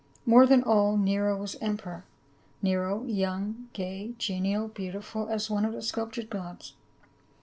More than all, Nero was emperor. Nero, young, gay, genial, beautiful as one of the sculptured gods.